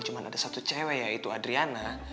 cuma ada satu cewek yaitu adriana